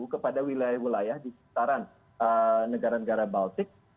kepada wilayah wilayah di seputaran negara negara baltik